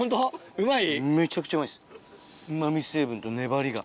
うまい？